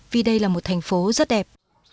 vì đây là một thành phố rất đẹp